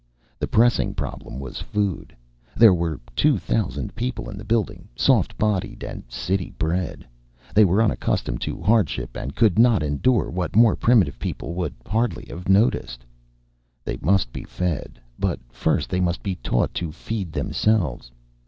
The pressing problem was food. There were two thousand people in the building, soft bodied and city bred. They were unaccustomed to hardship, and could not endure what more primitive people would hardly have noticed. They must be fed, but first they must be taught to feed themselves.